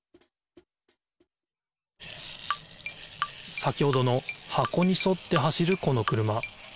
先ほどの箱にそって走るこの車。